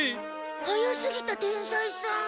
早すぎた天才さん。